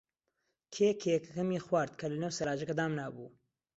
کێ کێکەکەمی خوارد کە لەنێو سەلاجەکە دامنابوو؟